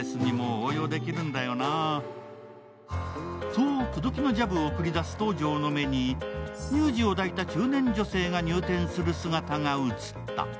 そう口説きのジャブを繰り出す東條の目に乳児を抱いた中年女性が入店する姿が映った。